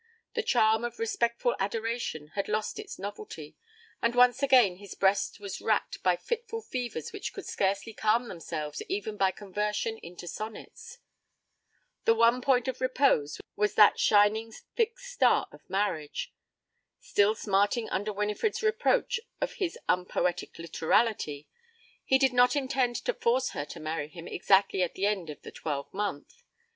The charm of respectful adoration had lost its novelty, and once again his breast was racked by fitful fevers which could scarcely calm themselves even by conversion into sonnets. The one point of repose was that shining fixed star of marriage. Still smarting under Winifred's reproach of his unpoetic literality, he did not intend to force her to marry him exactly at the end of the twelve month.